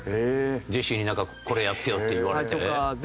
ジェシーになんか「これやってよ」って言われて？とかで。